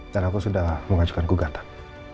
dan aku sudah mengajukan gugatan